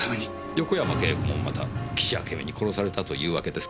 横山慶子もまた岸あけみに殺されたというわけですか？